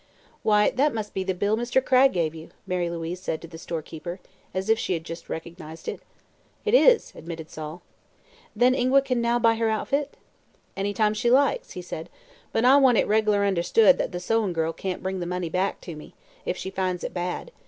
"Why, that must be the bill Mr. Cragg gave you," Mary Louise said to the storekeeper, as if she had just recognized it. "It is," admitted Sol. "Then Ingua can now buy her outfit?" "Any time she likes," he said. "But I want it reg'lar understood that the sewin' girl can't bring the money back to me, if she finds it bad.